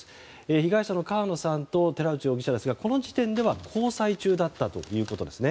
被害者の川野さんと寺内容疑者ですがこの時点では交際中だったということです。